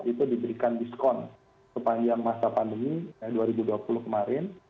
itu diberikan diskon sepanjang masa pandemi dua ribu dua puluh kemarin